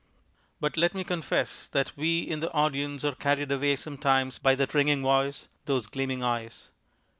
But let me confess that we in the audience are carried away sometimes by that ringing voice, those gleaming eyes.